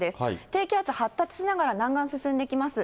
低気圧発達しながら、南岸進んでいきます。